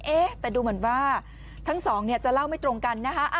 เอ๊ะแต่ดูเหมือนว่าทั้งสองเนี่ยจะเล่าไม่ตรงกันนะคะ